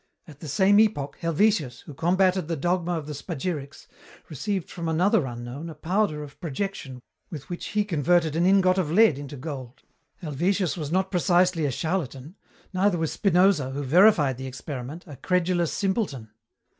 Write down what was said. "At the same epoch, Helvetius, who combated the dogma of the spagyrics, received from another unknown a powder of projection with which he converted an ingot of lead into gold. Helvetius was not precisely a charlatan, neither was Spinoza, who verified the experiment, a credulous simpleton.